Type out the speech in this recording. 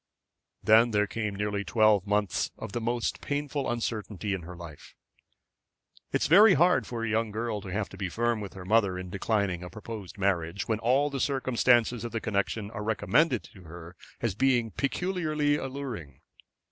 Then there came nearly twelve months of most painful uncertainty in her life. It is very hard for a young girl to have to be firm with her mother in declining a proposed marriage, when all circumstances of the connection are recommended to her as being peculiarly alluring.